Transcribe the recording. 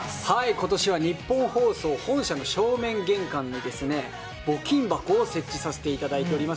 今年はニッポン放送本社の正面玄関に募金箱を設置させていただいております。